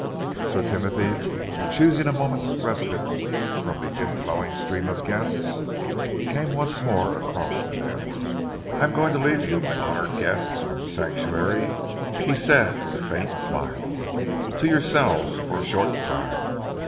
Sir Timothy, choosing a moment's respite from the inflowing stream of guests, came once more across to them. "I am going to leave you, my honoured guests from The Sanctuary," he said, with a faint smile, "to yourselves for a short time.